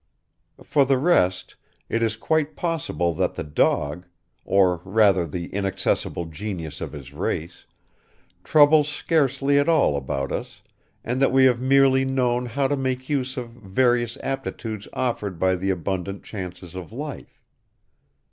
For the rest, it is quite possible that the dog, or rather the inaccessible genius of his race, troubles scarcely at all about us and that we have merely known how to make use of various aptitudes offered by the abundant chances of life.